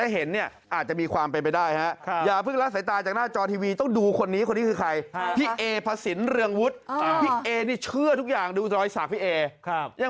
เพราะว่าองค์ปู่ท่านจะไม่ขึ้นมาถึงขนาดนั้น